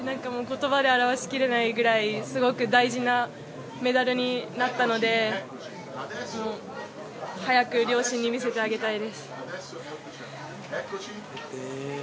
言葉で表し切れないくらいすごく大事なメダルになったので早く両親に見せてあげたいです。